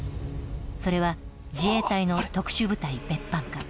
それは自衛隊の特殊部隊別班か